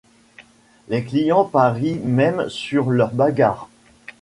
Les clients parient même sur leurs bagarres.